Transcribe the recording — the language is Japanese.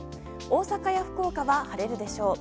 大阪や福岡は晴れるでしょう。